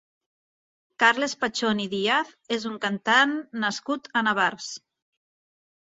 Carles Pachón i Díaz és un cantant nascut a Navars.